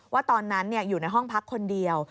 ว่าตอนนั้นอยู่ในห้องพักคนเดียว